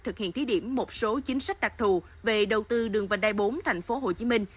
thực hiện thí điểm một số chính sách đặc thù về đầu tư đường vành đai bốn tp hcm